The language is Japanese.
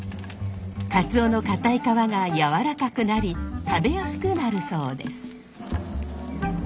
カツオの硬い皮が柔らかくなり食べやすくなるそうです。